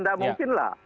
tidak mungkin lah